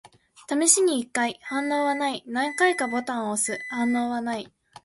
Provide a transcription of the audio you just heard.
試しに一回。反応はない。何回かボタンを押す。反応はない。